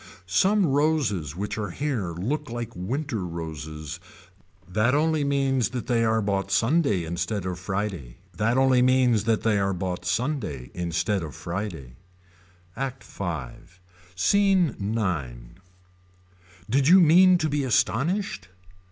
Some roses which are here look like winter roses. That only means that they are bought Sunday instead of Friday that only means that they are bought Sunday instead of Friday. ACT V. SCENE IX. Did you mean to be astonished.